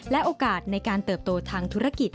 และโอกาสในการเติบโตทางธุรกิจ